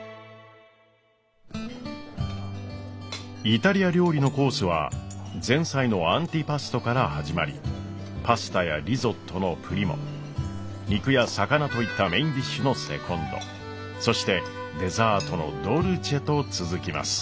イタリア料理のコースは前菜の「アンティパスト」から始まりパスタやリゾットの「プリモ」肉や魚といったメインディッシュの「セコンド」そしてデザートの「ドルチェ」と続きます。